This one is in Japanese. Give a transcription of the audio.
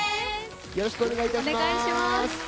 よろしくお願いします。